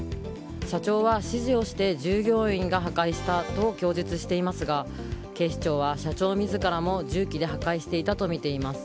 社長は指示をして従業員が破壊したと供述していますが警視庁は、社長自らも重機で破壊したとみています。